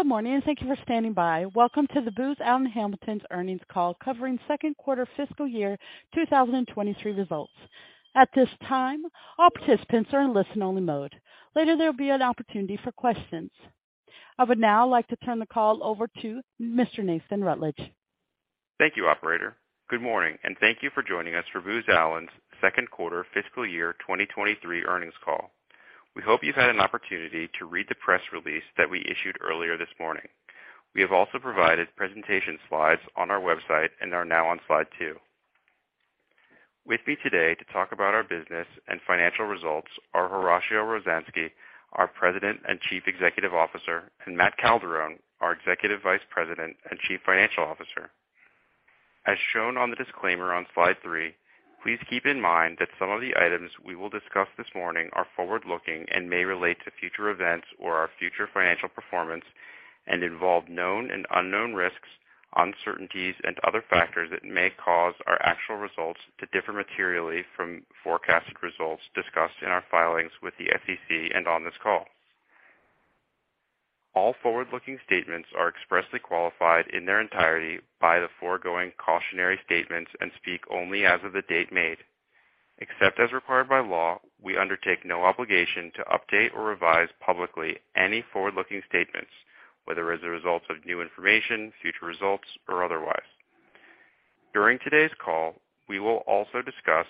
Good morning, and thank you for standing by. Welcome to the Booz Allen Hamilton's earnings call covering second quarter fiscal year 2023 results. At this time, all participants are in listen-only mode. Later, there will be an opportunity for questions. I would now like to turn the call over to Mr. Nathan Rutledge. Thank you, operator. Good morning, and thank you for joining us for Booz Allen's second quarter fiscal year 2023 earnings call. We hope you've had an opportunity to read the press release that we issued earlier this morning. We have also provided presentation slides on our website and are now on slide two. With me today to talk about our business and financial results are Horacio Rozanski, our President and Chief Executive Officer, and Matt Calderone, our Executive Vice President and Chief Financial Officer. As shown on the disclaimer on slide three, please keep in mind that some of the items we will discuss this morning are forward-looking and may relate to future events or our future financial performance and involve known and unknown risks, uncertainties, and other factors that may cause our actual results to differ materially from forecasted results discussed in our filings with the SEC and on this call. All forward-looking statements are expressly qualified in their entirety by the foregoing cautionary statements and speak only as of the date made. Except as required by law, we undertake no obligation to update or revise publicly any forward-looking statements, whether as a result of new information, future results, or otherwise. During today's call, we will also discuss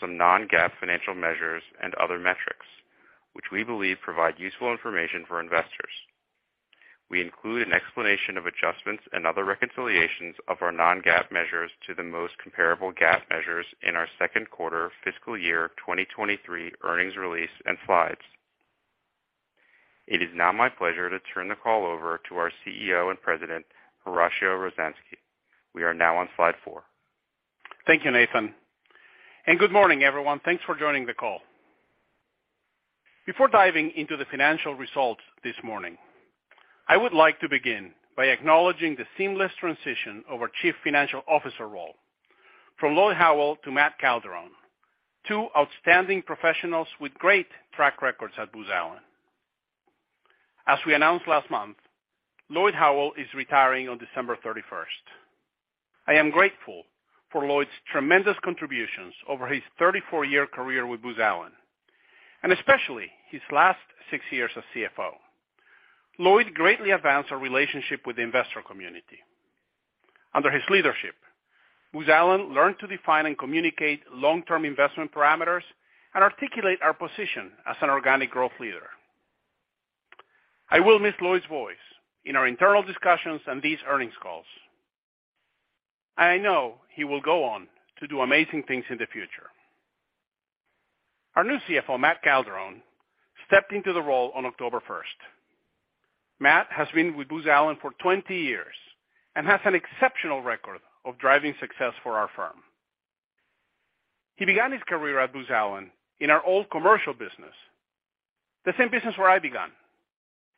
some non-GAAP financial measures and other metrics which we believe provide useful information for investors. We include an explanation of adjustments and other reconciliations of our non-GAAP measures to the most comparable GAAP measures in our second quarter fiscal year 2023 earnings release and slides. It is now my pleasure to turn the call over to our CEO and President, Horacio Rozanski. We are now on slide four. Thank you, Nathan. Good morning, everyone. Thanks for joining the call. Before diving into the financial results this morning, I would like to begin by acknowledging the seamless transition of our Chief Financial Officer role from Lloyd Howell to Matt Calderone, two outstanding professionals with great track records at Booz Allen. As we announced last month, Lloyd Howell is retiring on December thirty-first. I am grateful for Lloyd's tremendous contributions over his 34-year career with Booz Allen, and especially his last six years as CFO. Lloyd greatly advanced our relationship with the investor community. Under his leadership, Booz Allen learned to define and communicate long-term investment parameters and articulate our position as an organic growth leader. I will miss Lloyd's voice in our internal discussions and these earnings calls, and I know he will go on to do amazing things in the future. Our new CFO, Matt Calderone, stepped into the role on October 1st. Matt has been with Booz Allen for 20 years and has an exceptional record of driving success for our firm. He began his career at Booz Allen in our old commercial business, the same business where I began,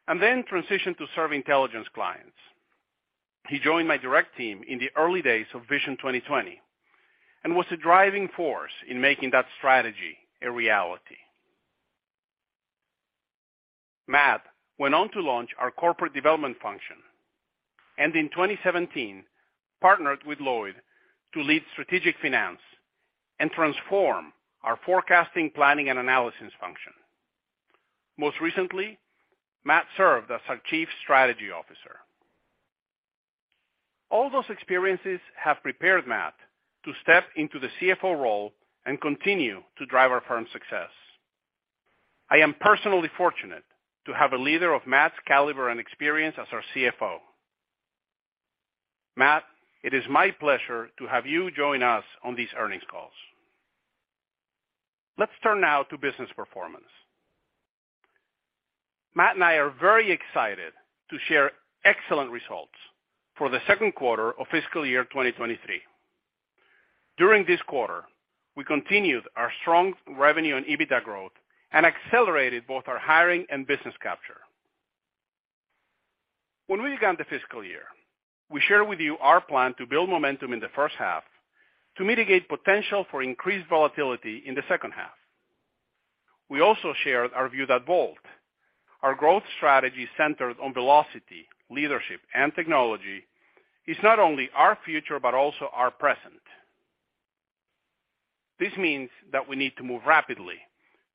and then transitioned to serve Intelligence clients. He joined my direct team in the early days of Vision 2020 and was a driving force in making that strategy a reality. Matt went on to launch our corporate development function and in 2017 partnered with Lloyd to lead strategic finance and transform our forecasting, planning, and analysis function. Most recently, Matt served as our Chief Strategy Officer. All those experiences have prepared Matt to step into the CFO role and continue to drive our firm's success. I am personally fortunate to have a leader of Matt's caliber and experience as our CFO. Matt, it is my pleasure to have you join us on these earnings calls. Let's turn now to business performance. Matt and I are very excited to share excellent results for the second quarter of fiscal year 2023. During this quarter, we continued our strong revenue and EBITDA growth and accelerated both our hiring and business capture. When we began the fiscal year, we shared with you our plan to build momentum in the first half to mitigate potential for increased volatility in the second half. We also shared our view that VoLT, our growth strategy centered on Velocity, Leadership, and Technology, is not only our future but also our present. This means that we need to move rapidly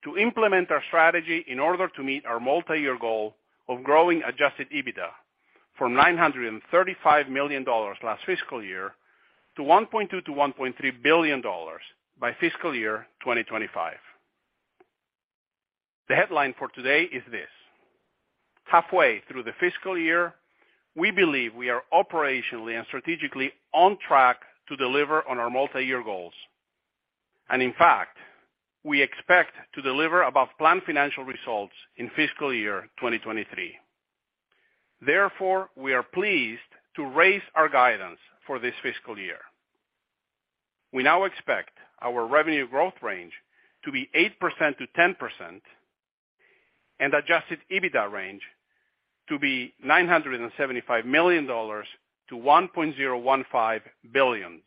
to implement our strategy in order to meet our multi-year goal of growing adjusted EBITDA from $935 million last fiscal year to $1.2 billion-$1.3 billion by fiscal year 2025. The headline for today is this: halfway through the fiscal year, we believe we are operationally and strategically on track to deliver on our multi-year goals. In fact, we expect to deliver above-plan financial results in fiscal year 2023. Therefore, we are pleased to raise our guidance for this fiscal year. We now expect our revenue growth range to be 8%-10% and adjusted EBITDA range to be $975 million-$1.015 billion.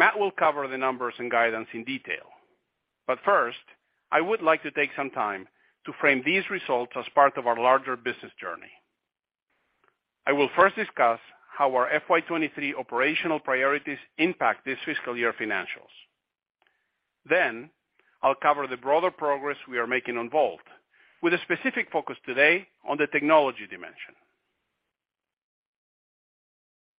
Matt will cover the numbers and guidance in detail. I would like to take some time to frame these results as part of our larger business journey. I will first discuss how our FY 2023 operational priorities impact this fiscal year financials. I'll cover the broader progress we are making on VoLT with a specific focus today on the technology dimension.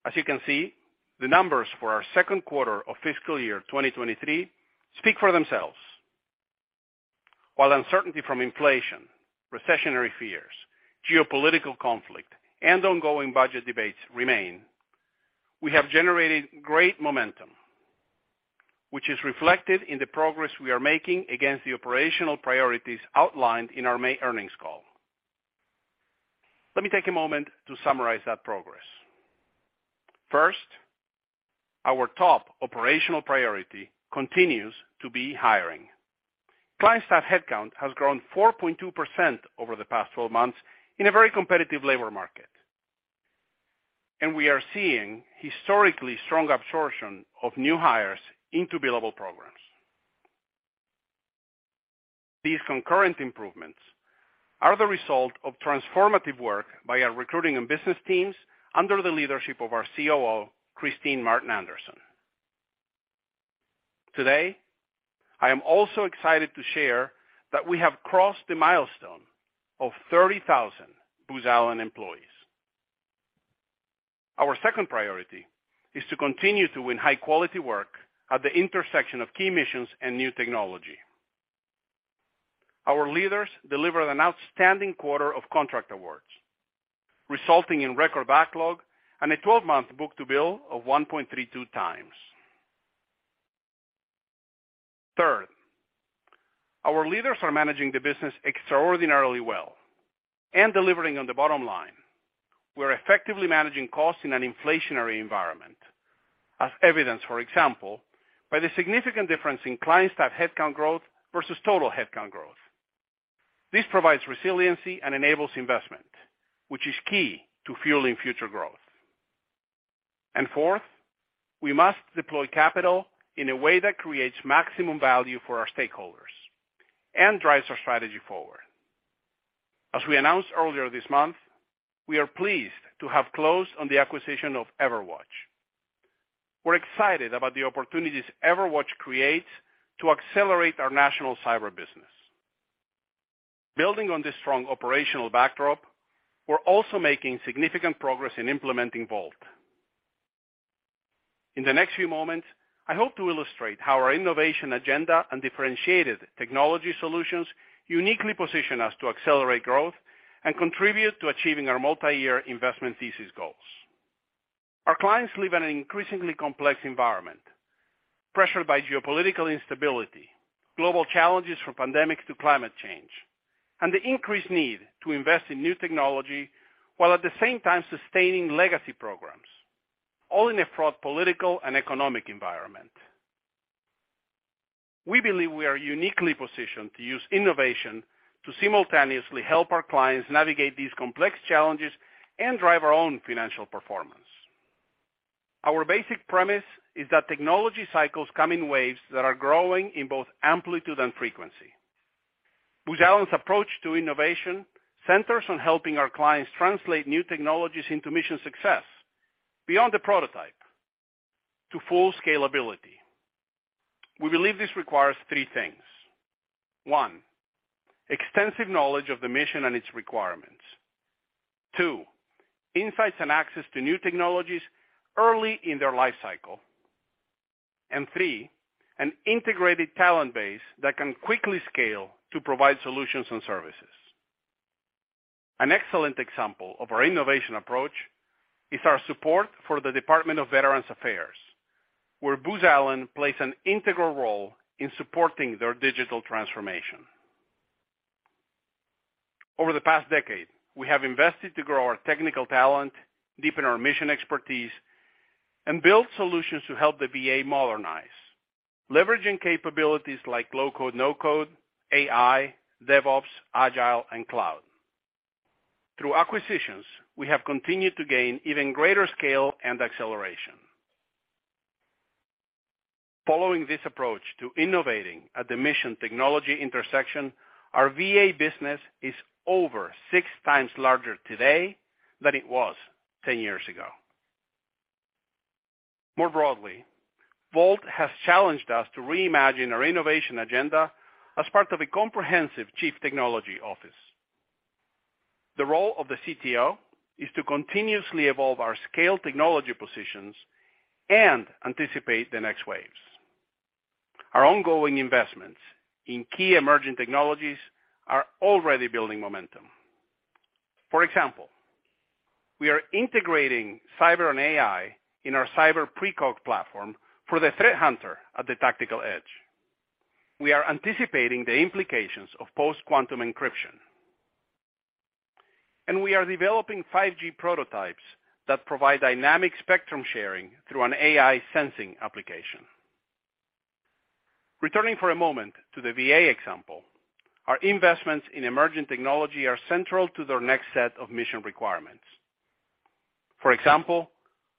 As you can see, the numbers for our second quarter of fiscal year 2023 speak for themselves. While uncertainty from inflation, recessionary fears, geopolitical conflict, and ongoing budget debates remain, we have generated great momentum, which is reflected in the progress we are making against the operational priorities outlined in our May earnings call. Let me take a moment to summarize that progress. First, our top operational priority continues to be hiring. Client staff headcount has grown 4.2% over the past 12 months in a very competitive labor market. We are seeing historically strong absorption of new hires into billable programs. These concurrent improvements are the result of transformative work by our recruiting and business teams under the leadership of our COO, Kristine Martin Anderson. Today, I am also excited to share that we have crossed the milestone of 30,000 Booz Allen employees. Our second priority is to continue to win high-quality work at the intersection of key missions and new technology. Our leaders delivered an outstanding quarter of contract awards, resulting in record backlog and a 12-month book-to-bill of 1.32x. Third, our leaders are managing the business extraordinarily well and delivering on the bottom line. We're effectively managing costs in an inflationary environment as evidenced, for example, by the significant difference in client staff headcount growth versus total headcount growth. This provides resiliency and enables investment, which is key to fueling future growth. Fourth, we must deploy capital in a way that creates maximum value for our stakeholders and drives our strategy forward. As we announced earlier this month, we are pleased to have closed on the acquisition of EverWatch. We're excited about the opportunities EverWatch creates to accelerate our national cyber business. Building on this strong operational backdrop, we're also making significant progress in implementing VoLT. In the next few moments, I hope to illustrate how our innovation agenda and differentiated technology solutions uniquely position us to accelerate growth and contribute to achieving our multi-year investment thesis goals. Our clients live in an increasingly complex environment, pressured by geopolitical instability, global challenges from pandemic to climate change, and the increased need to invest in new technology while at the same time sustaining legacy programs, all in a fraught political and economic environment. We believe we are uniquely positioned to use innovation to simultaneously help our clients navigate these complex challenges and drive our own financial performance. Our basic premise is that technology cycles come in waves that are growing in both amplitude and frequency. Booz Allen's approach to innovation centers on helping our clients translate new technologies into mission success beyond the prototype to full scalability. We believe this requires three things. One, extensive knowledge of the mission and its requirements. Two, insights and access to new technologies early in their lifecycle. Three, an integrated talent base that can quickly scale to provide solutions and services. An excellent example of our innovation approach is our support for the Department of Veterans Affairs, where Booz Allen plays an integral role in supporting their digital transformation. Over the past decade, we have invested to grow our technical talent, deepen our mission expertise, and build solutions to help the VA modernize, leveraging capabilities like low-code, no-code, AI, DevOps, Agile, and cloud. Through acquisitions, we have continued to gain even greater scale and acceleration. Following this approach to innovating at the mission technology intersection, our VA business is over six times larger today than it was 10 years ago. More broadly, VoLT has challenged us to reimagine our innovation agenda as part of a comprehensive chief technology office. The role of the CTO is to continuously evolve our scale technology positions and anticipate the next waves. Our ongoing investments in key emerging technologies are already building momentum. For example, we are integrating cyber and AI in our Cyber Precog platform for the threat hunter at the tactical edge. We are anticipating the implications of post-quantum encryption. We are developing 5G prototypes that provide dynamic spectrum sharing through an AI sensing application. Returning for a moment to the VA example, our investments in emerging technology are central to their next set of mission requirements. For example,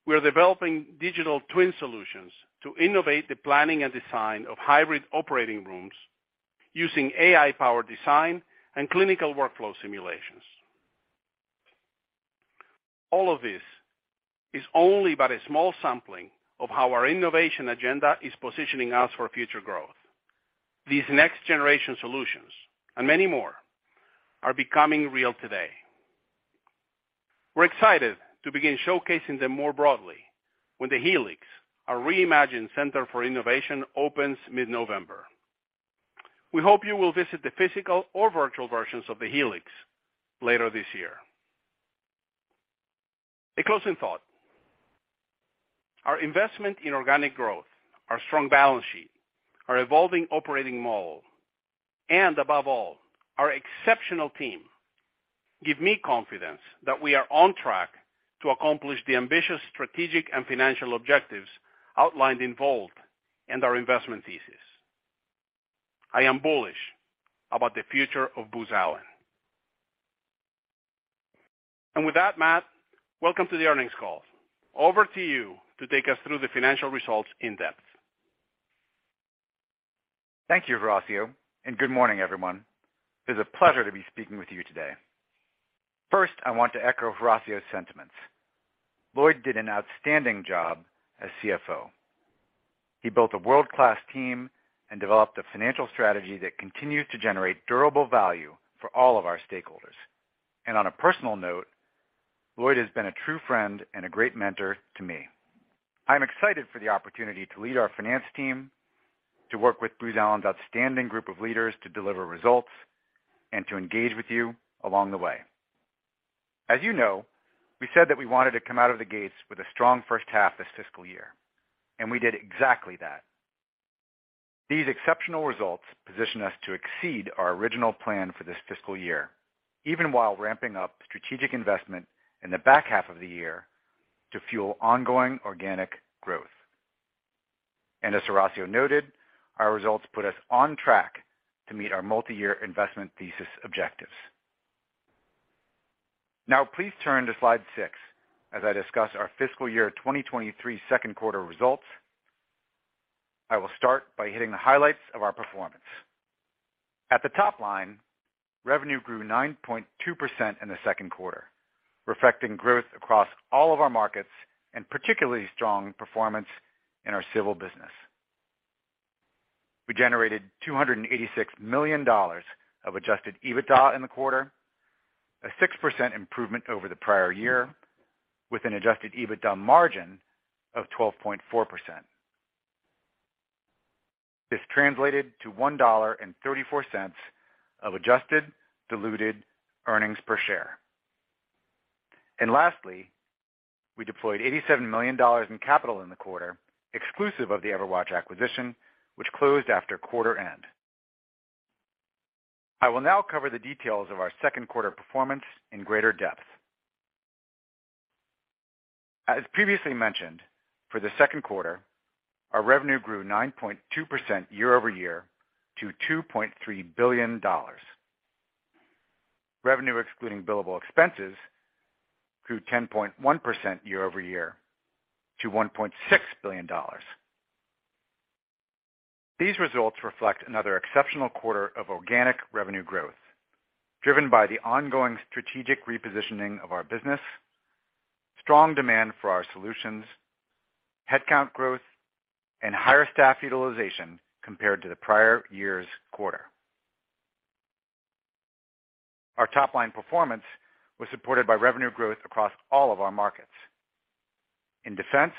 we are developing digital twin solutions to innovate the planning and design of hybrid operating rooms using AI-powered design and clinical workflow simulations. All of this is only but a small sampling of how our innovation agenda is positioning us for future growth. These next-generation solutions and many more are becoming real today. We're excited to begin showcasing them more broadly when The Helix, our reimagined center for innovation, opens mid-November. We hope you will visit the physical or virtual versions of The Helix later this year. A closing thought. Our investment in organic growth, our strong balance sheet, our evolving operating model, and above all, our exceptional team give me confidence that we are on track to accomplish the ambitious strategic and financial objectives outlined in VoLT and our investment thesis. I am bullish about the future of Booz Allen. With that, Matt, welcome to the earnings call. Over to you to take us through the financial results in depth. Thank you, Horacio, and good morning, everyone. It's a pleasure to be speaking with you today. First, I want to echo Horacio's sentiments. Lloyd did an outstanding job as CFO. He built a world-class team and developed a financial strategy that continues to generate durable value for all of our stakeholders. On a personal note, Lloyd has been a true friend and a great mentor to me. I'm excited for the opportunity to lead our finance team, to work with Booz Allen's outstanding group of leaders to deliver results, and to engage with you along the way. As you know, we said that we wanted to come out of the gates with a strong first half this fiscal year, and we did exactly that. These exceptional results position us to exceed our original plan for this fiscal year, even while ramping up strategic investment in the back half of the year to fuel ongoing organic growth. As Horacio noted, our results put us on track to meet our multi-year investment thesis objectives. Now please turn to slide six as I discuss our fiscal year 2023 second quarter results. I will start by hitting the highlights of our performance. At the top line, revenue grew 9.2% in the second quarter, reflecting growth across all of our markets and particularly strong performance in our Civil business. We generated $286 million of adjusted EBITDA in the quarter, a 6% improvement over the prior year, with an adjusted EBITDA margin of 12.4%. This translated to $1.34 of adjusted diluted earnings per share. Lastly, we deployed $87 million in capital in the quarter, exclusive of the EverWatch acquisition, which closed after quarter end. I will now cover the details of our second quarter performance in greater depth. As previously mentioned, for the second quarter, our revenue grew 9.2% year-over-year to $2.3 billion. Revenue excluding billable expenses grew 10.1% year-over-year to $1.6 billion. These results reflect another exceptional quarter of organic revenue growth driven by the ongoing strategic repositioning of our business, strong demand for our solutions, headcount growth, and higher staff utilization compared to the prior year's quarter. Our top-line performance was supported by revenue growth across all of our markets. In Defense,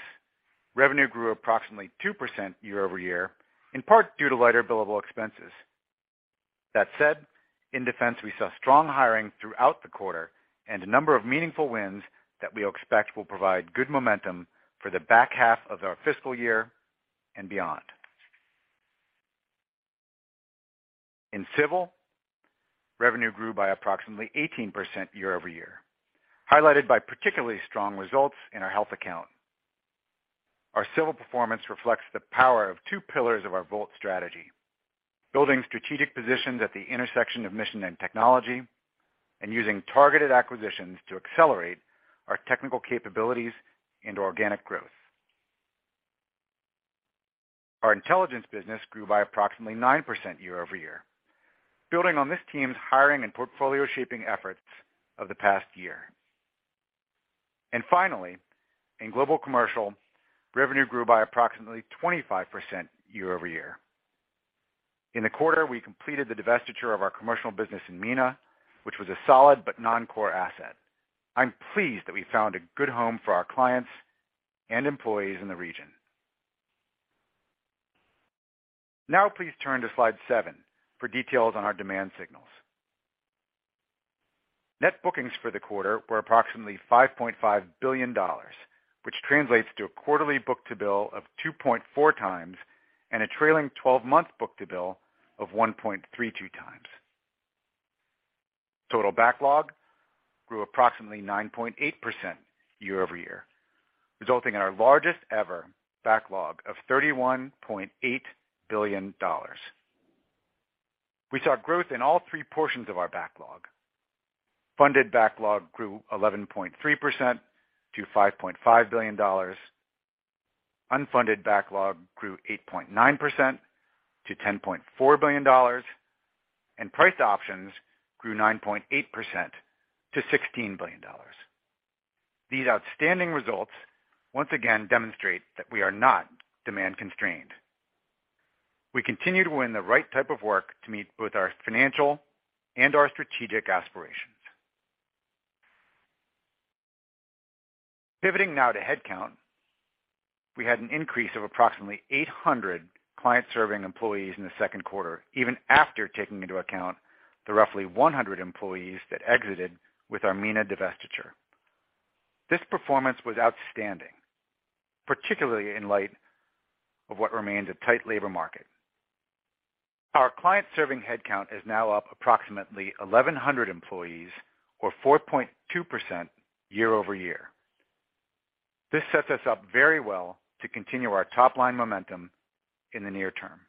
revenue grew approximately 2% year-over-year, in part due to lighter billable expenses. That said, in Defense, we saw strong hiring throughout the quarter and a number of meaningful wins that we expect will provide good momentum for the back half of our fiscal year and beyond. In Civil, revenue grew by approximately 18% year-over-year, highlighted by particularly strong results in our health account. Our Civil performance reflects the power of two pillars of our VoLT strategy, building strategic positions at the intersection of mission and technology, and using targeted acquisitions to accelerate our technical capabilities into organic growth. Our Intelligence business grew by approximately 9% year-over-year, building on this team's hiring and portfolio shaping efforts of the past year. Finally, in Global Commercial, revenue grew by approximately 25% year-over-year. In the quarter, we completed the divestiture of our commercial business in MENA, which was a solid but non-core asset. I'm pleased that we found a good home for our clients and employees in the region. Now please turn to slide seven for details on our demand signals. Net bookings for the quarter were approximately $5.5 billion, which translates to a quarterly book-to-bill of 2.4x and a trailing twelve-month book-to-bill of 1.32x. Total backlog grew approximately 9.8% year-over-year, resulting in our largest ever backlog of $31.8 billion. We saw growth in all three portions of our backlog. Funded backlog grew 11.3% to $5.5 billion. Unfunded backlog grew 8.9% to $10.4 billion, and priced options grew 9.8% to $16 billion. These outstanding results once again demonstrate that we are not demand constrained. We continue to win the right type of work to meet both our financial and our strategic aspirations. Pivoting now to headcount. We had an increase of approximately 800 client-serving employees in the second quarter, even after taking into account the roughly 100 employees that exited with our MENA divestiture. This performance was outstanding, particularly in light of what remains a tight labor market. Our client-serving headcount is now up approximately 1,100 employees or 4.2% year-over-year. This sets us up very well to continue our top-line momentum in the near term.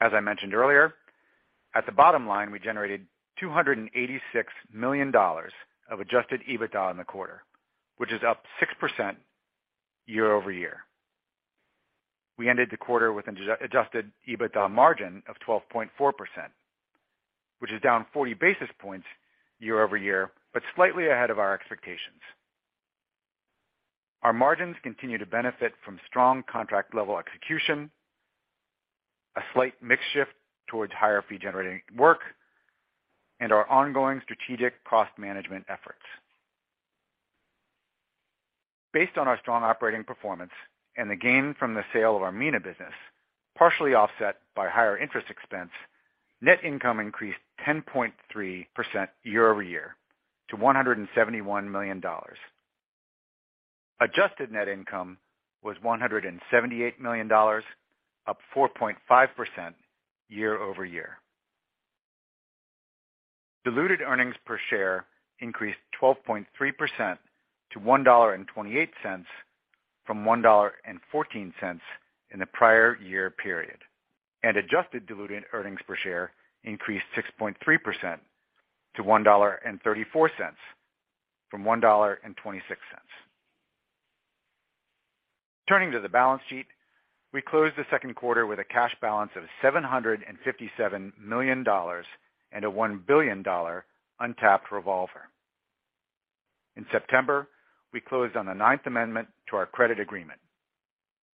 As I mentioned earlier, at the bottom line, we generated $286 million of adjusted EBITDA in the quarter, which is up 6% year-over-year. We ended the quarter with an adjusted EBITDA margin of 12.4%, which is down 40 basis points year-over-year, but slightly ahead of our expectations. Our margins continue to benefit from strong contract level execution, a slight mix shift towards higher fee-generating work, and our ongoing strategic cost management efforts. Based on our strong operating performance and the gain from the sale of our MENA business, partially offset by higher interest expense, net income increased 10.3% year-over-year to $171 million. Adjusted net income was $178 million, up 4.5% year-over-year. Diluted earnings per share increased 12.3% to $1.28 from $1.14 in the prior year period, and adjusted diluted earnings per share increased 6.3% to $1.34 from $1.26. Turning to the balance sheet, we closed the second quarter with a cash balance of $757 million and a $1 billion untapped revolver. In September, we closed on the ninth amendment to our credit agreement.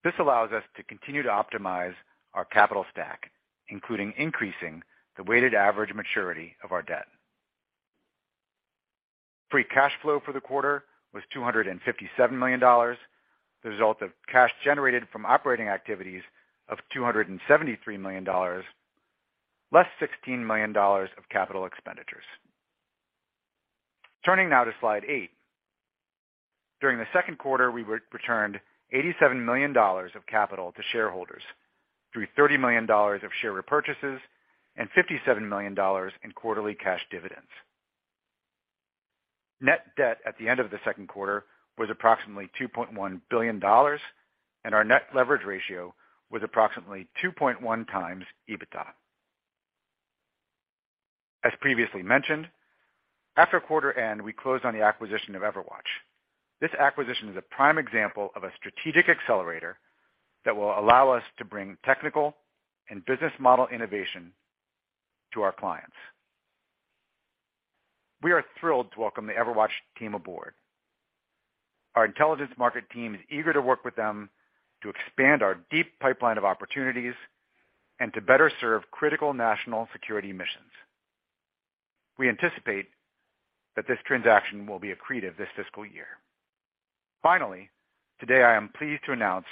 This allows us to continue to optimize our capital stack, including increasing the weighted average maturity of our debt. Free cash flow for the quarter was $257 million, the result of cash generated from operating activities of $273 million, less $16 million of capital expenditures. Turning now to slide eight. During the second quarter, we returned $87 million of capital to shareholders through $30 million of share repurchases and $57 million in quarterly cash dividends. Net debt at the end of the second quarter was approximately $2.1 billion, and our net leverage ratio was approximately 2.1x EBITDA. As previously mentioned, after quarter end, we closed on the acquisition of EverWatch. This acquisition is a prime example of a strategic accelerator that will allow us to bring technical and business model innovation to our clients. We are thrilled to welcome the EverWatch team aboard. Our Intelligence market team is eager to work with them to expand our deep pipeline of opportunities and to better serve critical national security missions. We anticipate that this transaction will be accretive this fiscal year. Finally, today I am pleased to announce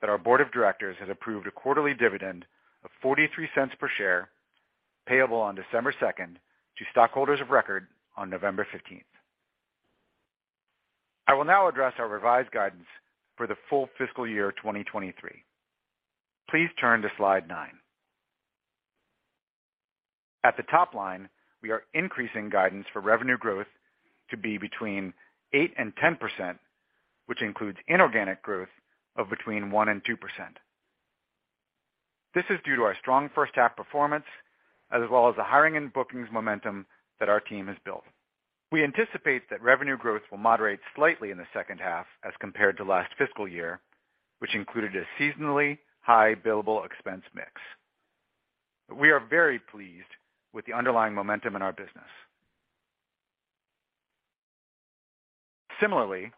that our board of directors has approved a quarterly dividend of $0.43 per share, payable on December second to stockholders of record on November 15th. I will now address our revised guidance for the full fiscal year 2023. Please turn to slide nine. At the top line, we are increasing guidance for revenue growth to be between 8% and 10%, which includes inorganic growth of between 1% and 2%. This is due to our strong first half performance as well as the hiring and bookings momentum that our team has built. We anticipate that revenue growth will moderate slightly in the second half as compared to last fiscal year, which included a seasonally high billable expense mix. We are very pleased with the underlying momentum in our business. Similarly,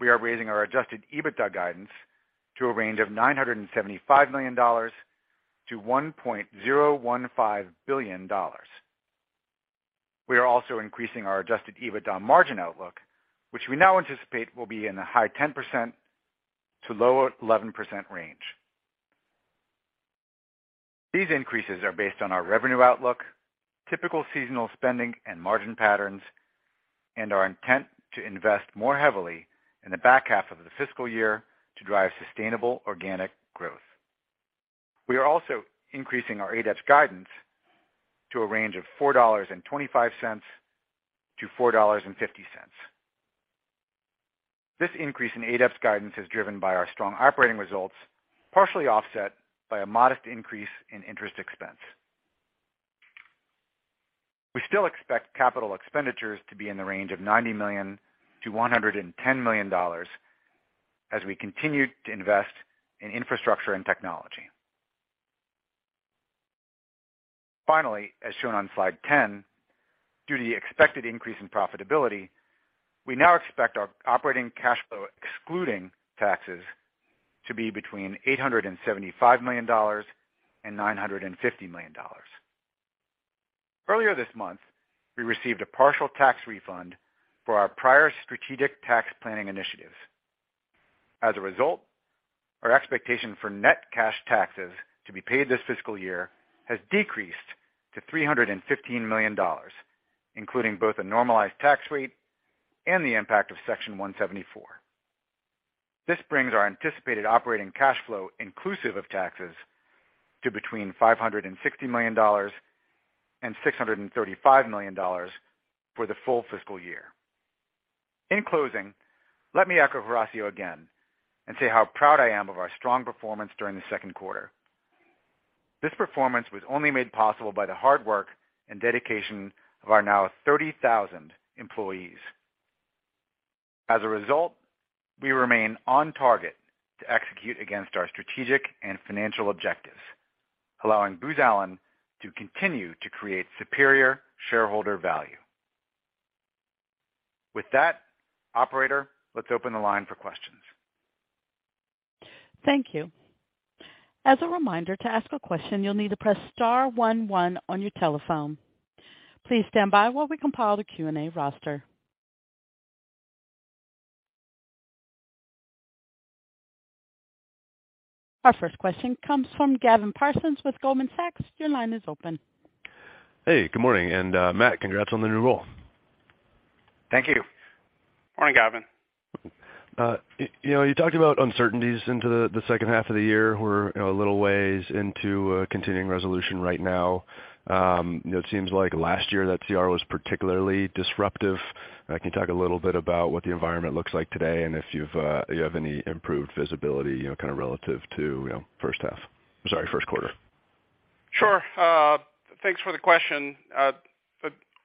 we are raising our adjusted EBITDA guidance to a range of $975 million-$1.015 billion. We are also increasing our adjusted EBITDA margin outlook, which we now anticipate will be in the high 10% to low 11% range. These increases are based on our revenue outlook, typical seasonal spending and margin patterns, and our intent to invest more heavily in the back half of the fiscal year to drive sustainable organic growth. We are also increasing our ADEPS guidance to a range of $4.25-$4.50. This increase in ADEPS guidance is driven by our strong operating results, partially offset by a modest increase in interest expense. We still expect capital expenditures to be in the range of $90 million-$110 million as we continue to invest in infrastructure and technology. Finally, as shown on slide 10, due to the expected increase in profitability, we now expect our operating cash flow, excluding taxes, to be between $875 million and $950 million. Earlier this month, we received a partial tax refund for our prior strategic tax planning initiatives. As a result, our expectation for net cash taxes to be paid this fiscal year has decreased to $315 million, including both a normalized tax rate and the impact of Section 174. This brings our anticipated operating cash flow inclusive of taxes to between $560 million and $635 million for the full fiscal year. In closing, let me echo Horacio again and say how proud I am of our strong performance during the second quarter. This performance was only made possible by the hard work and dedication of our now 30,000 employees. As a result, we remain on target to execute against our strategic and financial objectives, allowing Booz Allen to continue to create superior shareholder value. With that, operator, let's open the line for questions. Thank you. As a reminder to ask a question, you'll need to press star one one on your telephone. Please stand by while we compile the Q&A roster. Our first question comes from Gavin Parsons with Goldman Sachs. Your line is open. Hey, good morning. Matt, congrats on the new role. Thank you. Morning, Gavin. You know, you talked about uncertainties into the second half of the year. We're a little ways into a continuing resolution right now. You know, it seems like last year that CR was particularly disruptive. Can you talk a little bit about what the environment looks like today, and if you have any improved visibility, you know, kind of relative to, you know, first half? I'm sorry, first quarter. Sure. Thanks for the question.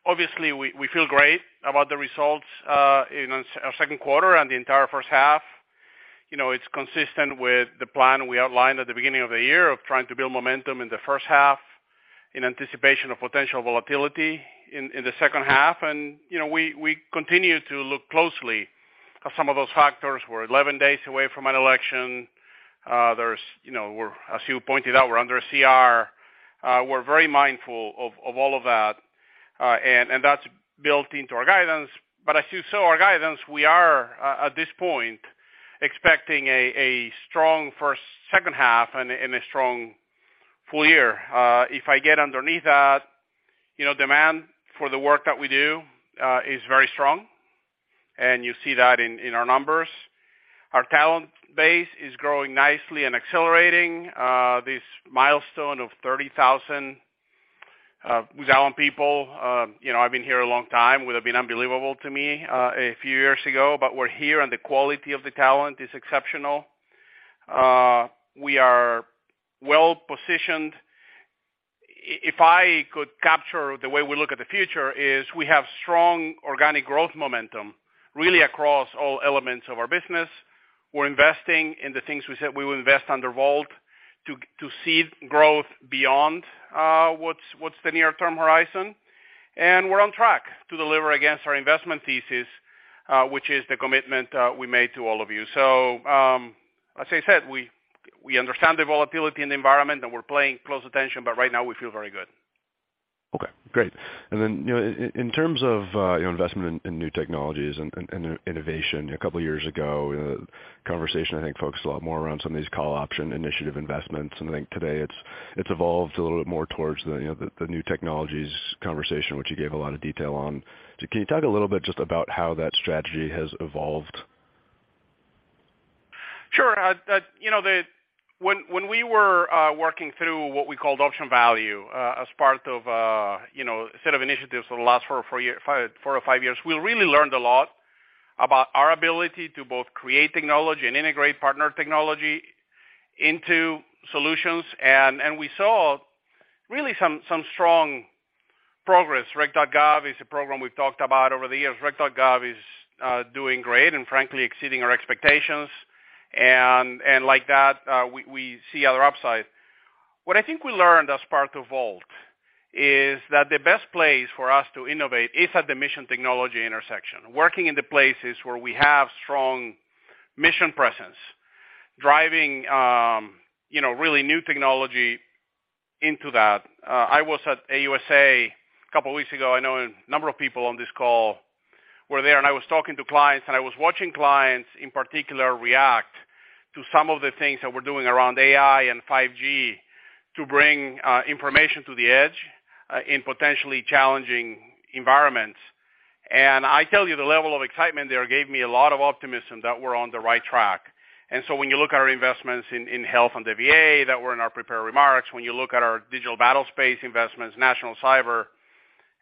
Obviously, we feel great about the results in our second quarter and the entire first half. You know, it's consistent with the plan we outlined at the beginning of the year of trying to build momentum in the first half in anticipation of potential volatility in the second half. You know, we continue to look closely at some of those factors. We're 11 days away from an election. There's, you know, as you pointed out, we're under a CR. We're very mindful of all of that, and that's built into our guidance. As you saw our guidance, we are at this point expecting a strong second half and a strong full year. If I get underneath that, you know, demand for the work that we do is very strong, and you see that in our numbers. Our talent base is growing nicely and accelerating this milestone of 30,000 Booz Allen people. You know, I've been here a long time, would have been unbelievable to me a few years ago, but we're here and the quality of the talent is exceptional. We are well-positioned. If I could capture the way we look at the future is we have strong organic growth momentum really across all elements of our business. We're investing in the things we said we will invest under VoLT to seed growth beyond what's the near-term horizon. We're on track to deliver against our investment thesis, which is the commitment we made to all of you. As I said, we understand the volatility in the environment, and we're paying close attention, but right now we feel very good. Okay, great. Then, you know, in terms of investment in new technologies and innovation a couple of years ago, conversation, I think, focused a lot more around some of these call option initiative investments. I think today it's evolved a little bit more towards the, you know, the new technologies conversation, which you gave a lot of detail on. Can you talk a little bit just about how that strategy has evolved? Sure. You know, when we were working through what we called option value, as part of you know, a set of initiatives for the last four or fiive years, we really learned a lot about our ability to both create technology and integrate partner technology into solutions. We saw really some strong progress. Recreation.gov is a program we've talked about over the years. Recreation.gov is doing great and frankly, exceeding our expectations. Like that, we see other upside. What I think we learned as part of VoLT is that the best place for us to innovate is at the mission technology intersection, working in the places where we have strong mission presence, driving you know, really new technology into that. I was at AUSA a couple of weeks ago. I know a number of people on this call were there, and I was talking to clients, and I was watching clients, in particular, react to some of the things that we're doing around AI and 5G to bring information to the edge in potentially challenging environments. I tell you the level of excitement there gave me a lot of optimism that we're on the right track. When you look at our investments in health and the VA that were in our prepared remarks, when you look at our digital battle space investments, national cyber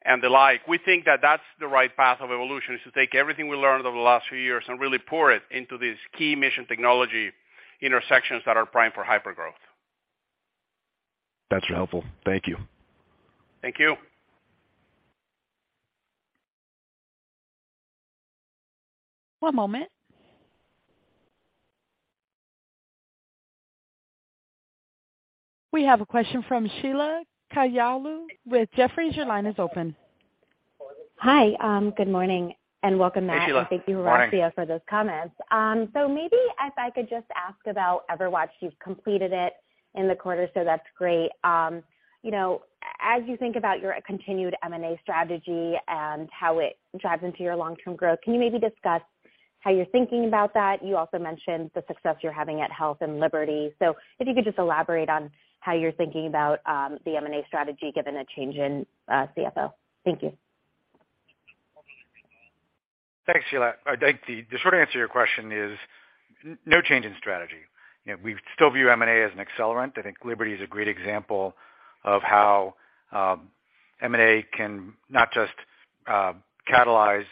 and the like, we think that that's the right path of evolution, is to take everything we learned over the last few years and really pour it into these key mission technology intersections that are primed for hypergrowth. That's helpful. Thank you. Thank you. One moment. We have a question from Sheila Kahyaoglu with Jefferies. Your line is open. Hi. Good morning. Welcome back. Hey, Sheila. Good morning. Thank you, Horacio, for those comments. Maybe if I could just ask about EverWatch. You've completed it in the quarter, so that's great. You know, as you think about your continued M&A strategy and how it drives into your long-term growth, can you maybe discuss how you're thinking about that? You also mentioned the success you're having at health and Liberty. If you could just elaborate on how you're thinking about the M&A strategy given a change in CFO. Thank you. Thanks, Sheila. I think the short answer to your question is no change in strategy. You know, we still view M&A as an accelerant. I think Liberty is a great example of how M&A can not just catalyze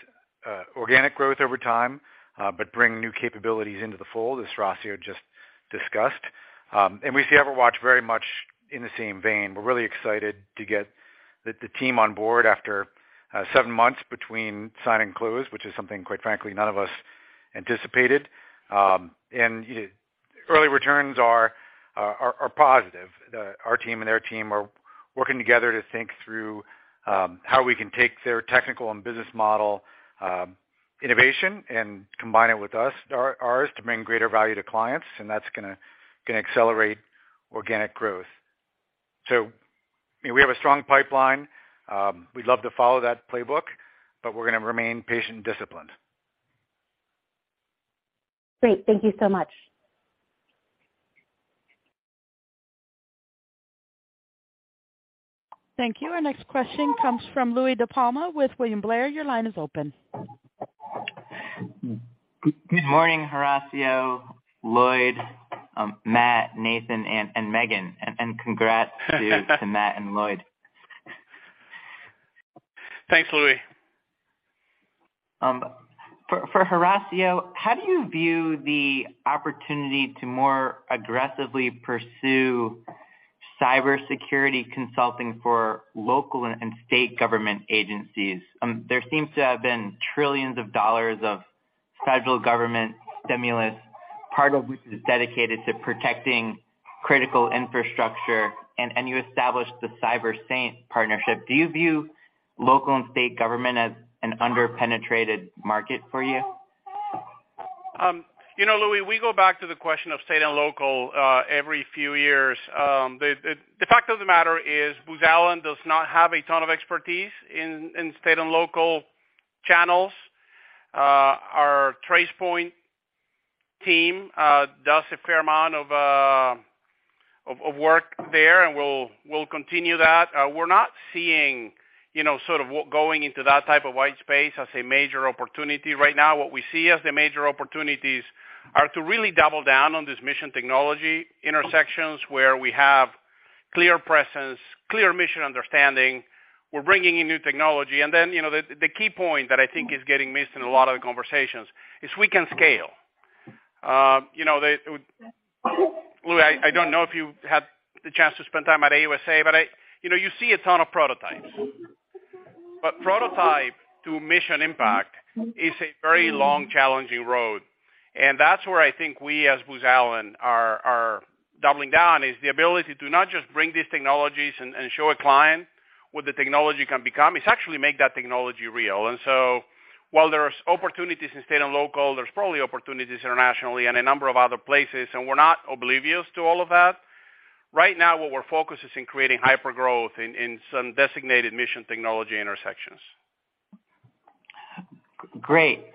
organic growth over time, but bring new capabilities into the fold, as Horacio just discussed. We see EverWatch very much in the same vein. We're really excited to get the team on board after seven months between sign and close, which is something, quite frankly, none of us anticipated. You know, early returns are positive. Our team and their team are working together to think through how we can take their technical and business model innovation and combine it with ours to bring greater value to clients, and that's gonna accelerate organic growth. I mean, we have a strong pipeline. We'd love to follow that playbook, but we're gonna remain patient and disciplined. Great. Thank you so much. Thank you. Our next question comes from Louis DiPalma with William Blair. Your line is open. Good morning, Horacio, Lloyd, Matt, Nathan, and Megan. Congrats to Matt and Lloyd. Thanks, Louis. For Horacio, how do you view the opportunity to more aggressively pursue cybersecurity consulting for local and state government agencies? There seems to have been trillions of dollars of federal government stimulus, part of which is dedicated to protecting critical infrastructure. You established the CyberSaint partnership. Do you view local and state government as an under-penetrated market for you? You know, Louis, we go back to the question of state and local every few years. The fact of the matter is, Booz Allen does not have a ton of expertise in state and local channels. Our Tracepoint team does a fair amount of work there, and we'll continue that. We're not seeing, you know, sort of us going into that type of white space as a major opportunity right now. What we see as the major opportunities are to really double down on this mission technology intersections where we have clear presence, clear mission understanding, we're bringing in new technology. You know, the key point that I think is getting missed in a lot of the conversations is we can scale. Louis, I don't know if you had the chance to spend time at AUSA, but you know, you see a ton of prototypes. Prototype to mission impact is a very long, challenging road. That's where I think we, as Booz Allen, are doubling down, is the ability to not just bring these technologies and show a client what the technology can become. It's actually make that technology real. While there's opportunities in state and local, there's probably opportunities internationally and a number of other places, and we're not oblivious to all of that. Right now what we're focused is in creating hypergrowth in some designated mission technology intersections. Great.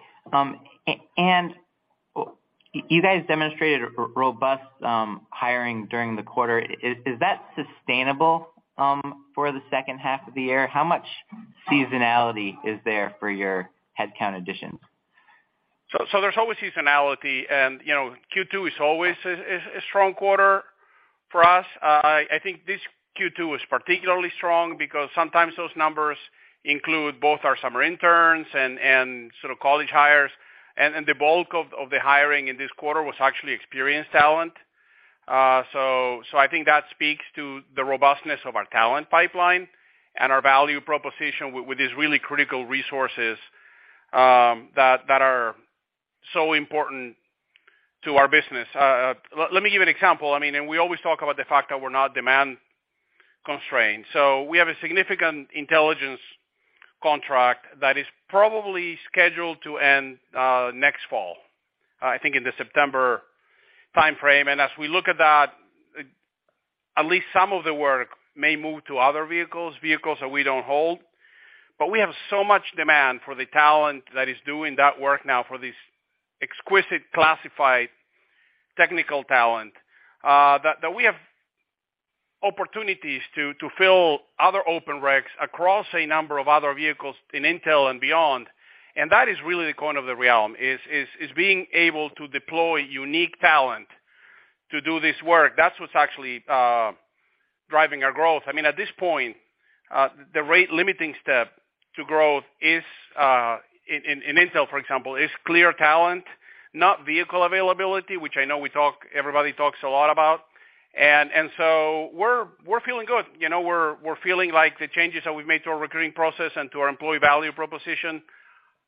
You guys demonstrated robust hiring during the quarter. Is that sustainable for the second half of the year? How much seasonality is there for your headcount additions? There's always seasonality and, you know, Q2 is always a strong quarter for us. I think this Q2 was particularly strong because sometimes those numbers include both our summer interns and sort of college hires. The bulk of the hiring in this quarter was actually experienced talent. I think that speaks to the robustness of our talent pipeline and our value proposition with these really critical resources that are so important to our business. Let me give you an example. I mean, we always talk about the fact that we're not demand constrained. We have a significant Intelligence contract that is probably scheduled to end next fall, I think in the September timeframe. As we look at that, at least some of the work may move to other vehicles that we don't hold. We have so much demand for the talent that is doing that work now for these exquisite classified technical talent that we have opportunities to fill other open recs across a number of other vehicles in intel and beyond. That is really the coin of the realm, is being able to deploy unique talent to do this work. That's what's actually driving our growth. I mean, at this point, the rate limiting step to growth is, in intel, for example, clear talent, not vehicle availability, which I know everybody talks a lot about. We're feeling good. You know, we're feeling like the changes that we've made to our recruiting process and to our employee value proposition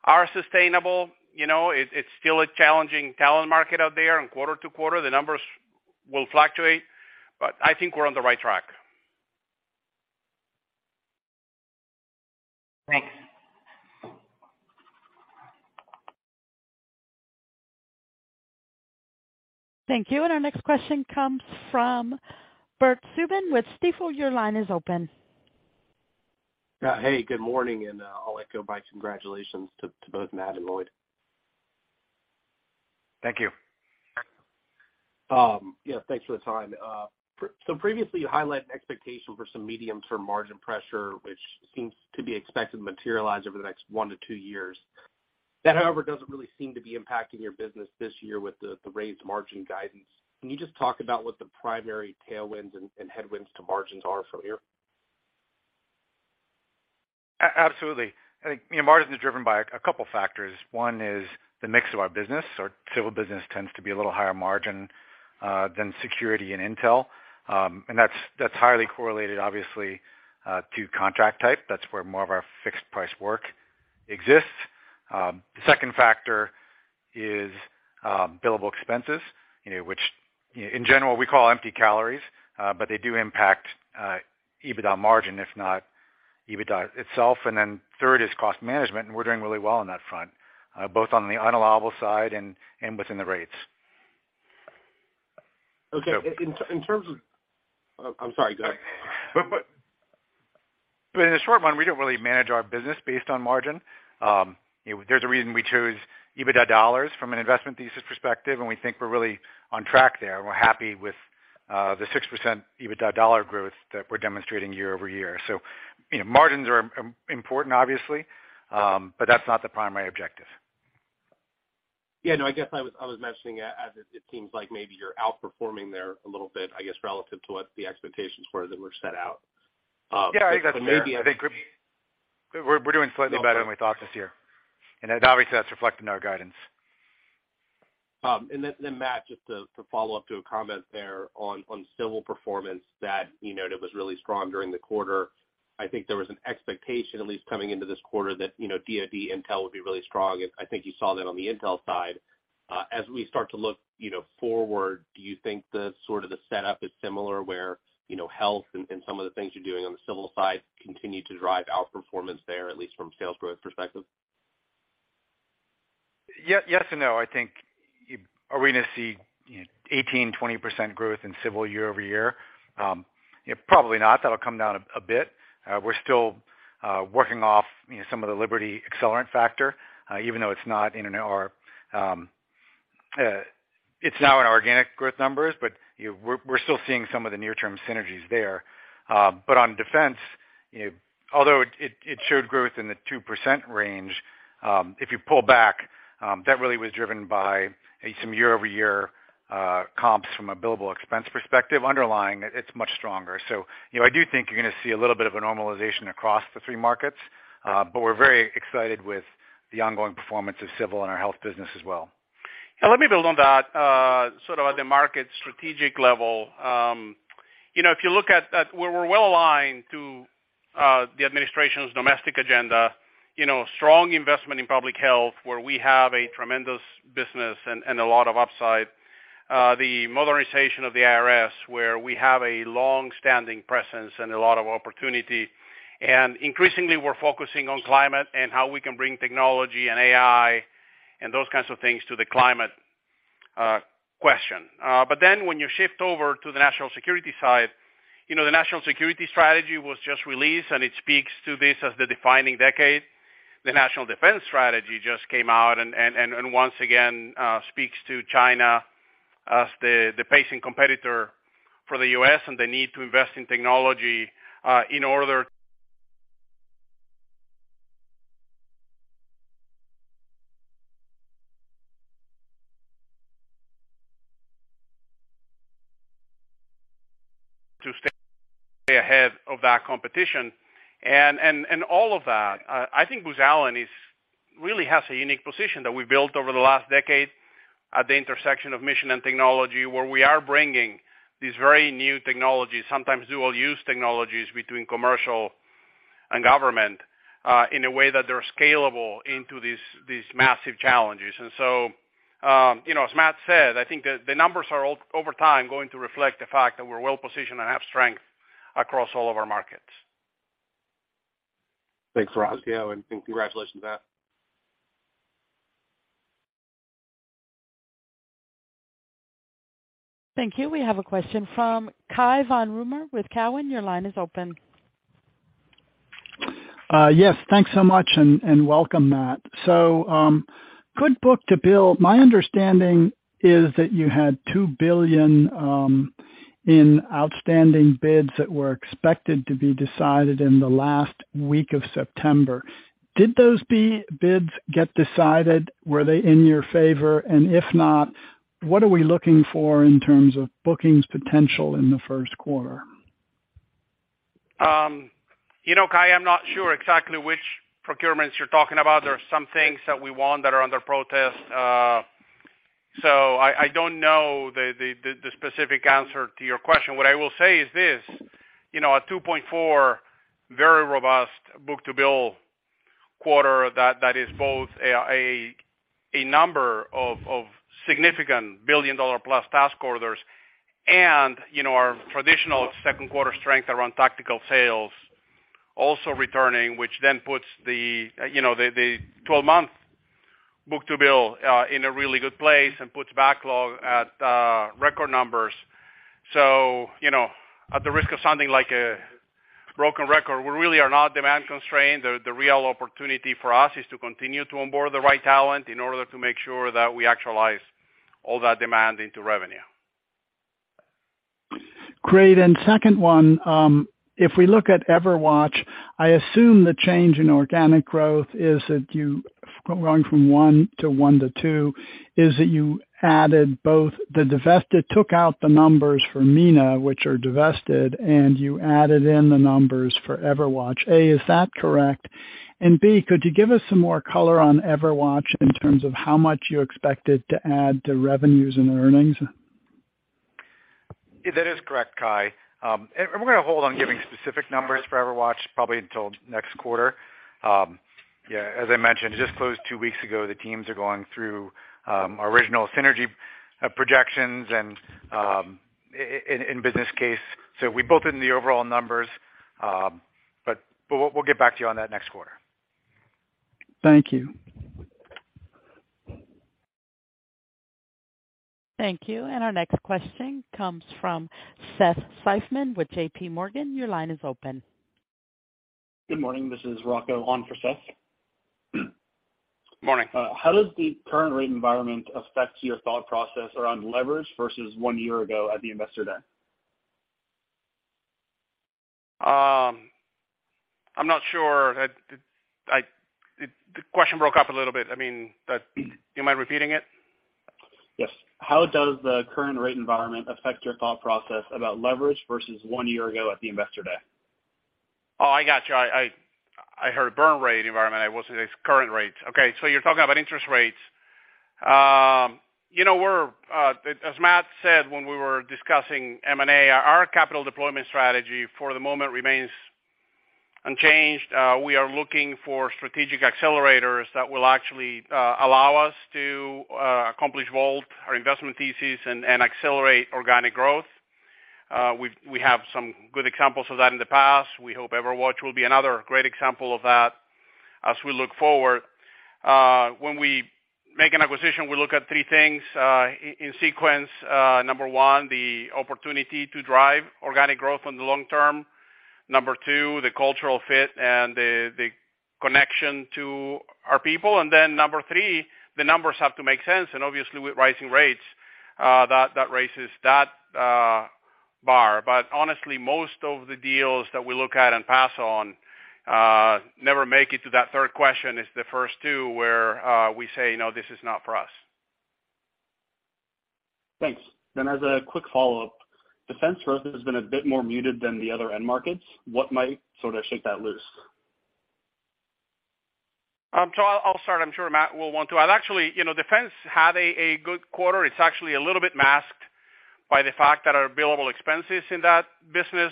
are sustainable. You know, it's still a challenging talent market out there, and quarter to quarter the numbers will fluctuate, but I think we're on the right track. Thanks. Thank you. Our next question comes from Bert Subin with Stifel. Your line is open. Hey, good morning. I'll echo my congratulations to both Matt and Lloyd. Thank you. Yeah, thanks for the time. Previously, you highlighted an expectation for some medium-term margin pressure, which seems to be expected to materialize over the next one to two years. That, however, doesn't really seem to be impacting your business this year with the raised margin guidance. Can you just talk about what the primary tailwinds and headwinds to margins are from here? Absolutely. I think, you know, margin is driven by a couple factors. One is the mix of our business. Our Civil business tends to be a little higher margin than security and intel. That's highly correlated, obviously, to contract type. That's where more of our fixed price work exists. The second factor is billable expenses, you know, which, in general, we call empty calories, but they do impact EBITDA margin, if not EBITDA itself. Third is cost management, and we're doing really well on that front, both on the unallowable side and within the rates. Okay. In terms. Oh, I'm sorry, go ahead. In the short run, we don't really manage our business based on margin. You know, there's a reason we choose EBITDA dollars from an investment thesis perspective, and we think we're really on track there. We're happy with the 6% EBITDA dollar growth that we're demonstrating year-over-year. You know, margins are important obviously, but that's not the primary objective. Yeah. No, I guess I was mentioning as it seems like maybe you're outperforming there a little bit, I guess, relative to what the expectations were that were set out. Yeah, I think that's fair. Maybe. We're doing slightly better than we thought this year, and obviously that's reflected in our guidance. Matt, just to follow up to a comment there on Civil performance that you noted was really strong during the quarter. I think there was an expectation at least coming into this quarter that, you know, DoD intel would be really strong, and I think you saw that on the intel side. As we start to look, you know, forward, do you think the sort of setup is similar where, you know, health and some of the things you're doing on the Civil side continue to drive outperformance there, at least from a sales growth perspective? Yes and no. I think, are we gonna see 18%-20% growth in Civil year-over-year? Probably not. That'll come down a bit. We're still working off, you know, some of the Liberty accelerant factor, even though it's not in and/or, it's now in organic growth numbers, but, you know, we're still seeing some of the near-term synergies there. But on Defense, you know, although it showed growth in the 2% range, if you pull back, that really was driven by some year-over-year comps from a billable expense perspective. Underlying it's much stronger. You know, I do think you're gonna see a little bit of a normalization across the three markets, but we're very excited with the ongoing performance of Civil and our health business as well. Let me build on that, sort of at the market strategic level. You know, if you look at, we're well aligned to the administration's domestic agenda, you know, strong investment in public health, where we have a tremendous business and a lot of upside. The modernization of the IRS, where we have a long-standing presence and a lot of opportunity. Increasingly we're focusing on climate and how we can bring technology and AI and those kinds of things to the climate question. Then when you shift over to the national security side, you know, the national security strategy was just released, and it speaks to this as the defining decade. The National Defense Strategy just came out and once again speaks to China as the pacing competitor for the U.S. and the need to invest in technology in order to stay ahead of that competition. All of that, I think Booz Allen really has a unique position that we built over the last decade at the intersection of mission and technology, where we are bringing these very new technologies, sometimes dual use technologies between commercial and government, in a way that they're scalable into these massive challenges. You know, as Matt said, I think the numbers are over time going to reflect the fact that we're well positioned and have strength across all of our markets. Thanks, Horacio, and congratulations, Matt. Thank you. We have a question from Cai von Rumohr with TD Cowen. Your line is open. Yes, thanks so much and welcome, Matt. Good book-to-bill. My understanding is that you had $2 billion in outstanding bids that were expected to be decided in the last week of September. Did those bids get decided? Were they in your favor? If not, what are we looking for in terms of bookings potential in the first quarter? You know, Cai, I'm not sure exactly which procurements you're talking about. There are some things that we won that are under protest. I don't know the specific answer to your question. What I will say is this, you know, a 2.4 very robust book-to-bill quarter that is both a number of significant billion-dollar-plus task orders and, you know, our traditional second quarter strength around tactical sales also returning, which then puts the 12-month book-to-bill in a really good place and puts backlog at record numbers. You know, at the risk of sounding like a broken record, we really are not demand constrained. The real opportunity for us is to continue to onboard the right talent in order to make sure that we actualize all that demand into revenue. Great. Second one, if we look at EverWatch, I assume the change in organic growth is that you're going from 1.1 to 1.2, is that you took out the numbers for MENA, which are divested, and you added in the numbers for EverWatch. A, is that correct? B, could you give us some more color on EverWatch in terms of how much you expect it to add to revenues and earnings? Yeah, that is correct, Cai. We're gonna hold on giving specific numbers for EverWatch probably until next quarter. Yeah, as I mentioned, it just closed two weeks ago. The teams are going through our original synergy projections and in business case. We built in the overall numbers, but we'll get back to you on that next quarter. Thank you. Thank you. Our next question comes from Seth Seifman with J.P. Morgan. Your line is open. Good morning. This is Rocco on for Seth. Morning. How does the current rate environment affect your thought process around leverage versus one year ago at the Investor Day? I'm not sure. The question broke up a little bit. I mean, do you mind repeating it? Yes. How does the current rate environment affect your thought process about leverage versus one year ago at the Investor Day? Oh, I got you. I heard higher rate environment. I wasn't—it's current rates. Okay, so you're talking about interest rates. You know, we're, as Matt said when we were discussing M&A, our capital deployment strategy for the moment remains unchanged. We are looking for strategic accelerators that will actually allow us to accomplish both our investment thesis and accelerate organic growth. We have some good examples of that in the past. We hope EverWatch will be another great example of that as we look forward. When we make an acquisition, we look at three things in sequence. Number one, the opportunity to drive organic growth on the long term. Number two, the cultural fit and the connection to our people. Then number three, the numbers have to make sense. Obviously, with rising rates, that raises that bar. But honestly, most of the deals that we look at and pass on never make it to that third question. It's the first two where we say, "No, this is not for us. Thanks. As a quick follow-up, Defense growth has been a bit more muted than the other end markets. What might sort of shake that loose? I'll start. I'm sure Matt will want to. You know, Defense had a good quarter. It's actually a little bit masked by the fact that our billable expenses in that business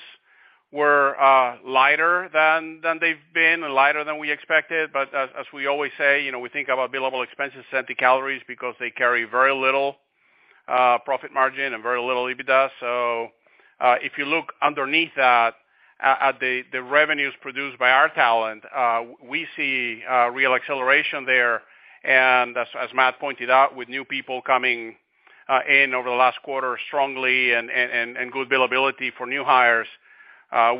were lighter than they've been and lighter than we expected. As we always say, you know, we think about billable expenses as empty calories because they carry very little profit margin and very little EBITDA. If you look underneath that at the revenues produced by our talent, we see real acceleration there. As Matt pointed out, with new people coming in over the last quarter strongly and good billability for new hires,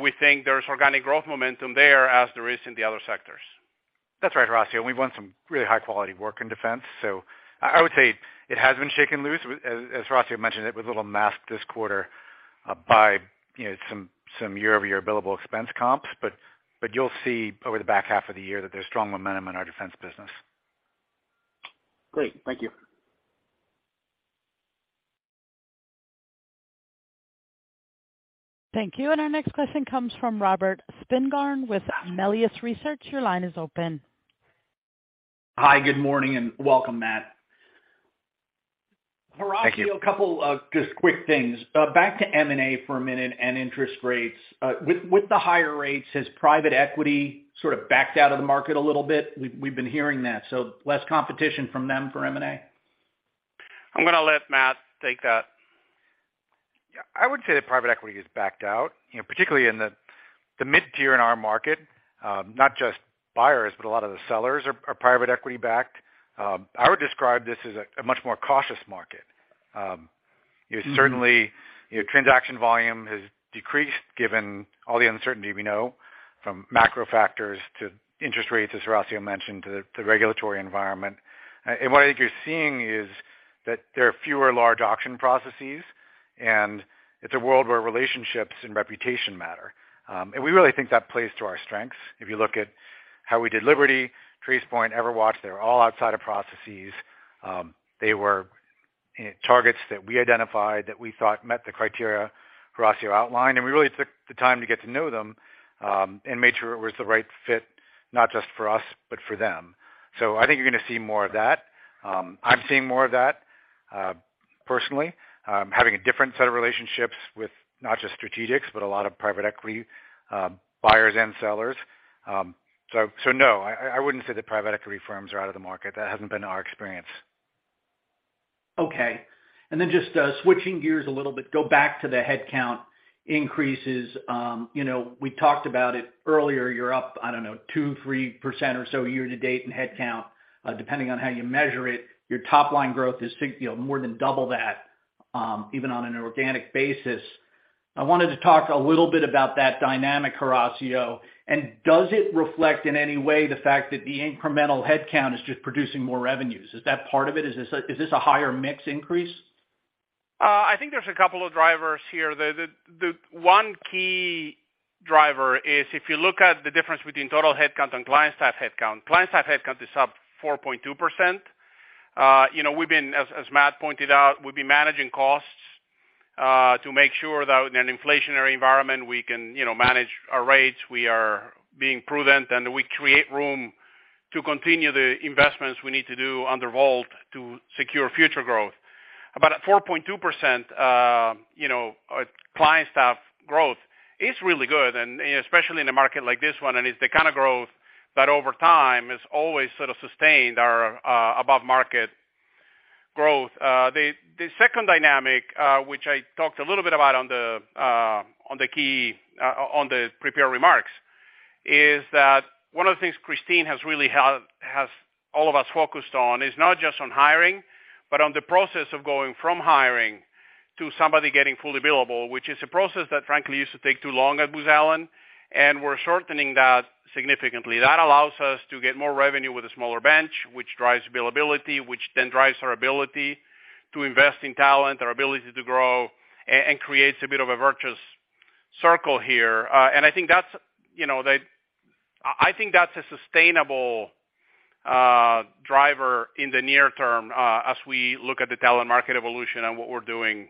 we think there's organic growth momentum there as there is in the other sectors. That's right, Horacio. We've won some really high-quality work in Defense. I would say it has been shaken loose. As Horacio mentioned, it was a little masked this quarter by, you know, some year-over-year billable expense comps. You'll see over the back half of the year that there's strong momentum in our Defense business. Great. Thank you. Thank you. Our next question comes from Robert Spingarn with Melius Research. Your line is open. Hi. Good morning and welcome, Matt. Thank you. Horacio, a couple of just quick things. Back to M&A for a minute and interest rates. With the higher rates, has private equity sort of backed out of the market a little bit? We've been hearing that, so less competition from them for M&A. I'm gonna let Matt take that. Yeah. I wouldn't say that private equity is backed out. You know, particularly in the mid-tier in our market, not just buyers, but a lot of the sellers are private equity backed. I would describe this as a much more cautious market. It certainly, you know, transaction volume has decreased given all the uncertainty we know, from macro factors to interest rates, as Horacio mentioned, to the regulatory environment. What I think you're seeing is that there are fewer large auction processes, and it's a world where relationships and reputation matter. We really think that plays to our strengths. If you look at how we did Liberty, Tracepoint, EverWatch, they were all outside of processes. They were targets that we identified that we thought met the criteria Horacio outlined, and we really took the time to get to know them, and made sure it was the right fit, not just for us, but for them. I think you're gonna see more of that. I'm seeing more of that, personally, having a different set of relationships with not just strategics, but a lot of private equity, buyers and sellers. No, I wouldn't say that private equity firms are out of the market. That hasn't been our experience. Okay. Just switching gears a little bit, go back to the headcount increases. You know, we talked about it earlier, you're up, I don't know, 2%-3% or so year to date in headcount, depending on how you measure it. Your top line growth is, you know, more than double that, even on an organic basis. I wanted to talk a little bit about that dynamic, Horacio, and does it reflect in any way the fact that the incremental headcount is just producing more revenues? Is that part of it? Is this a higher mix increase? I think there's a couple of drivers here. The one key driver is if you look at the difference between total headcount and client-side headcount. Client-side headcount is up 4.2%. You know, we've been, as Matt pointed out, we've been managing costs to make sure that in an inflationary environment, we can, you know, manage our rates. We are being prudent, and we create room to continue the investments we need to do under VoLT to secure future growth. At 4.2%, you know, our client staff growth is really good, and especially in a market like this one, and it's the kind of growth that over time is always sort of sustained our above market growth. The second dynamic, which I talked a little bit about on the prepared remarks, is that one of the things Kristine has really had all of us focused on is not just on hiring, but on the process of going from hiring to somebody getting fully billable, which is a process that frankly used to take too long at Booz Allen, and we're shortening that significantly. That allows us to get more revenue with a smaller bench, which drives billability, which then drives our ability to invest in talent, our ability to grow, and creates a bit of a virtuous circle here. I think that's, you know, a sustainable driver in the near term, as we look at the talent market evolution and what we're doing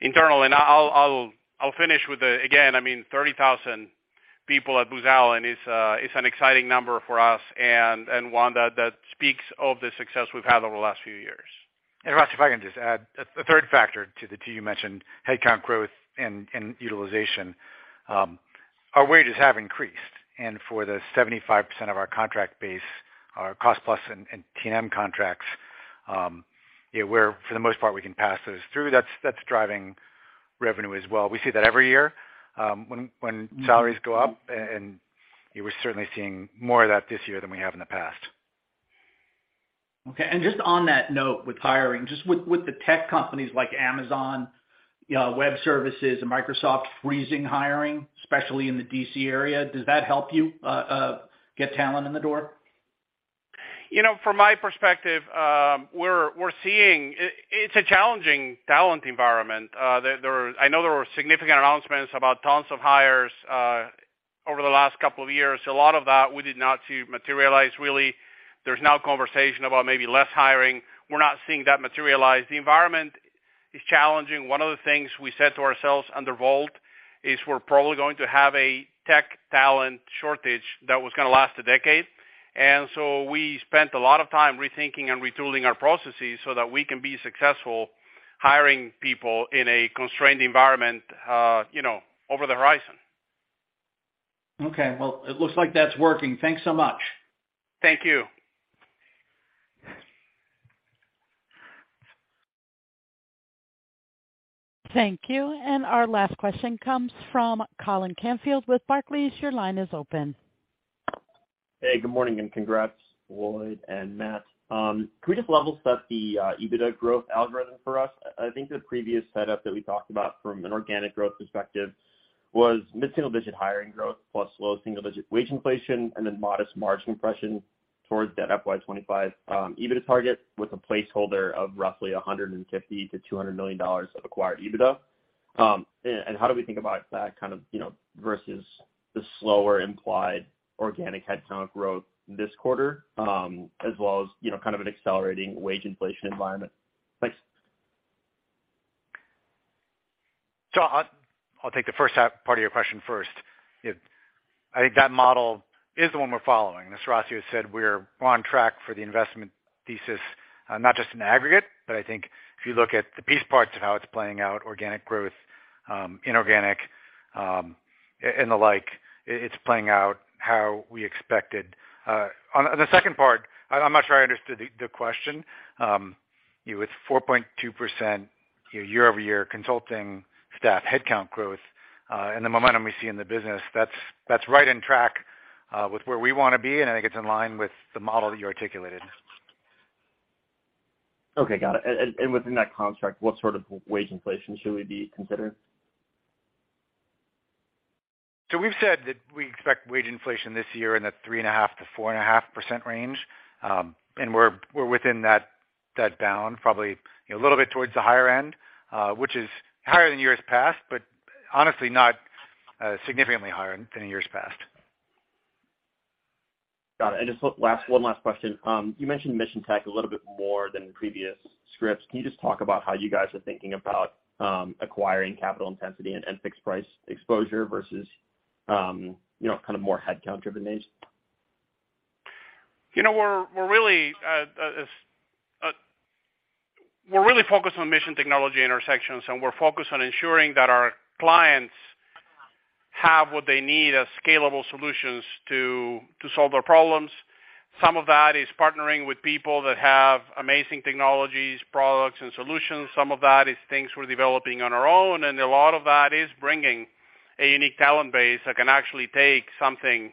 internally. I'll finish with the, again, I mean, 30,000 people at Booz Allen is an exciting number for us and one that speaks of the success we've had over the last few years. Horacio, if I can just add a third factor to the two you mentioned, headcount growth and utilization. Our wages have increased, and for the 75% of our contract base, our cost plus and T&M contracts, for the most part, we can pass those through. That's driving revenue as well. We see that every year, when salaries go up, and we're certainly seeing more of that this year than we have in the past. Okay. Just on that note with hiring, just with the tech companies like Amazon, you know, Web Services and Microsoft freezing hiring, especially in the D.C. area, does that help you get talent in the door? You know, from my perspective, we're seeing. It's a challenging talent environment. I know there were significant announcements about tons of hires over the last couple of years. A lot of that we did not see materialize really. There's now conversation about maybe less hiring. We're not seeing that materialize. The environment is challenging. One of the things we said to ourselves under VoLT is we're probably going to have a tech talent shortage that was gonna last a decade. We spent a lot of time rethinking and retooling our processes so that we can be successful hiring people in a constrained environment, you know, over the horizon. Okay. Well, it looks like that's working. Thanks so much. Thank you. Thank you. Our last question comes from Colin Canfield with Barclays. Your line is open. Hey, good morning, and congrats, Lloyd and Matt. Can we just level set the EBITDA growth algorithm for us? I think the previous setup that we talked about from an organic growth perspective was mid-single-digit hiring growth plus low single-digit wage inflation and then modest margin compression towards that FY 2025 EBITDA target with a placeholder of roughly $150 million-$200 million of acquired EBITDA. How do we think about that kind of, you know, versus the slower implied organic headcount growth this quarter, as well as, you know, kind of an accelerating wage inflation environment? Thanks. I'll take the first part of your question first. I think that model is the one we're following. As Horacio said, we're on track for the investment thesis, not just in aggregate, but I think if you look at the piece parts of how it's playing out, organic growth, inorganic, and the like, it's playing out how we expected. On the second part, I'm not sure I understood the question. You know, with 4.2%, year-over-year consulting staff headcount growth, and the momentum we see in the business, that's right on track with where we wanna be, and I think it's in line with the model that you articulated. Okay, got it. Within that construct, what sort of wage inflation should we be considering? We've said that we expect wage inflation this year in the 3.5%-4.5% range. We're within that bound, probably, you know, a little bit towards the higher end, which is higher than years past, but honestly not significantly higher than in years past. Got it. One last question. You mentioned mission tech a little bit more than previous scripts. Can you just talk about how you guys are thinking about acquiring capital intensity and fixed price exposure versus, you know, kind of more headcount-driven base? You know, we're really focused on mission technology intersections, and we're focused on ensuring that our clients have what they need as scalable solutions to solve their problems. Some of that is partnering with people that have amazing technologies, products and solutions. Some of that is things we're developing on our own, and a lot of that is bringing a unique talent base that can actually take something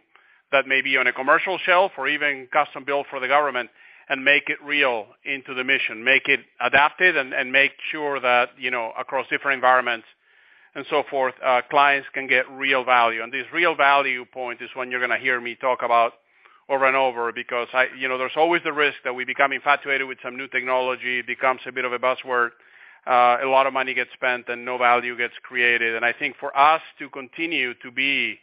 that may be on a commercial shelf or even custom-built for the government and make it real into the mission, make it adapted and make sure that, you know, across different environments and so forth, clients can get real value. This real value point is one you're gonna hear me talk about over and over because you know, there's always the risk that we become infatuated with some new technology, becomes a bit of a buzzword. A lot of money gets spent and no value gets created. I think for us to continue to be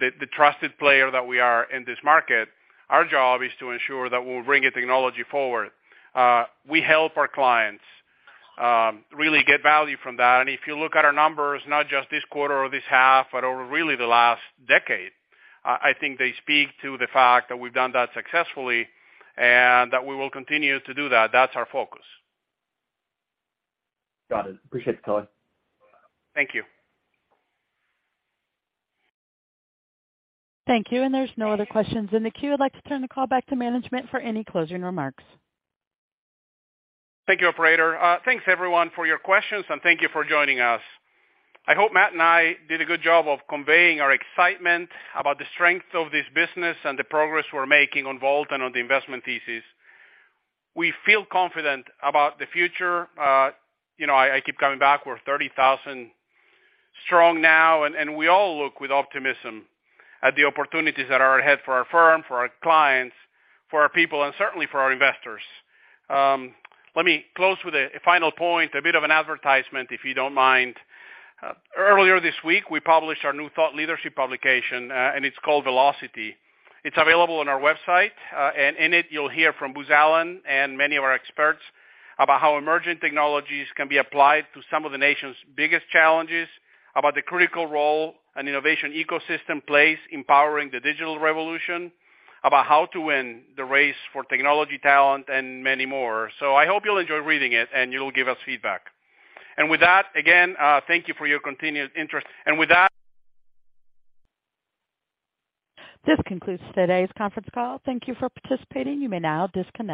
the trusted player that we are in this market, our job is to ensure that we'll bring a technology forward. We help our clients really get value from that. If you look at our numbers, not just this quarter or this half, but over really the last decade, I think they speak to the fact that we've done that successfully and that we will continue to do that. That's our focus. Got it. Appreciate the color. Thank you. Thank you. There's no other questions in the queue. I'd like to turn the call back to management for any closing remarks. Thank you, operator. Thanks, everyone, for your questions, and thank you for joining us. I hope Matt and I did a good job of conveying our excitement about the strength of this business and the progress we're making on VoLT and on the investment thesis. We feel confident about the future. You know, I keep coming back. We're 30,000 strong now and we all look with optimism at the opportunities that are ahead for our firm, for our clients, for our people, and certainly for our investors. Let me close with a final point, a bit of an advertisement, if you don't mind. Earlier this week, we published our new thought leadership publication, and it's called Velocity. It's available on our website. In it you'll hear from Booz Allen and many of our experts about how emerging technologies can be applied to some of the nation's biggest challenges, about the critical role an innovation ecosystem plays in powering the digital revolution, about how to win the race for technology talent and many more. I hope you'll enjoy reading it and you'll give us feedback. With that, again, thank you for your continued interest. With that- This concludes today's conference call. Thank you for participating. You may now disconnect.